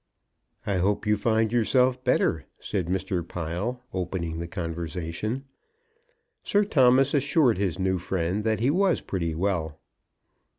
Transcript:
"I hope you find yourself better," said Mr. Pile, opening the conversation. Sir Thomas assured his new friend that he was pretty well.